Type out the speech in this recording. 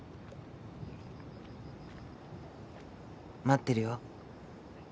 待ってるよ。